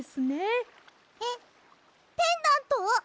えっペンダント！？